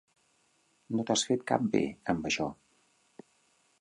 No t'has fet cap bé amb això.